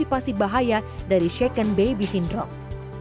dan mengawasi bahaya dari shaken baby syndrome